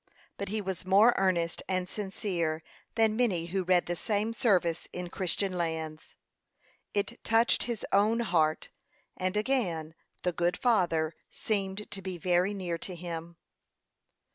But he was more earnest and sincere than many who read the same service in Christian lands. It touched his own heart, and again the good Father seemed to be very near to him.